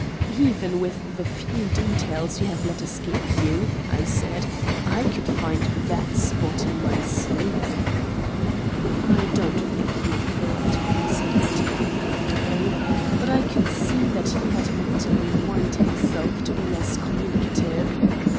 "Even with the few details you have let escape you," I said, "I could find that spot in my sleep." "I don't think you could," said Edgar uncomfortably; but I could see that he had mentally warned himself to be less communicative.